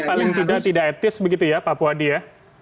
paling tidak tidak etis begitu ya pak puadi ya